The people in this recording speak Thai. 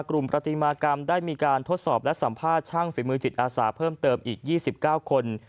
ประติมากรรมได้มีการทดสอบและสัมภาษณ์ช่างฝีมือจิตอาสาเพิ่มเติมอีก๒๙คน